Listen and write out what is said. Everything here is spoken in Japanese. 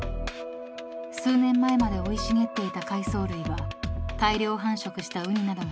［数年前まで生い茂っていた海藻類は大量繁殖したウニなどが食べ尽くし